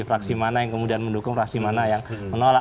fraksi mana yang kemudian mendukung fraksi mana yang menolak